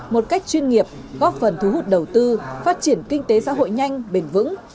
một cách chuyên nghiệp góp phần thu hút đầu tư phát triển kinh tế xã hội nhanh bền vững